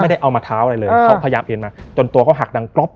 ได้เอามาเท้าอะไรเลยเขาพยายามเอ็นมาจนตัวเขาหักดังกรอบ